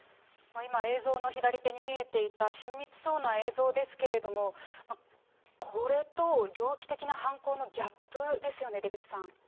今、映像の左手に見えていた、親密そうな映像ですけれども、これと、猟奇的な犯行のギャップですよね、出口さん。